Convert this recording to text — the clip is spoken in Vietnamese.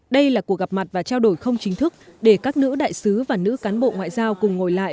đây là cuộc gặp mặt và trao đổi không chính thức để các nữ đại sứ và nữ cán bộ ngoại giao cùng ngồi lại